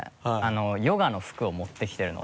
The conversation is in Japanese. ヨガの服を持ってきてるので。